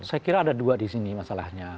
saya kira ada dua di sini masalahnya